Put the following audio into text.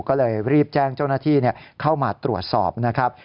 ก็เลยรีบแจ้งเจ้าหน้าที่เข้ามาตรวจสอบนะครับ